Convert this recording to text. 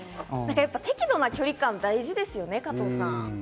適度な距離感って大事ですよね、加藤さん。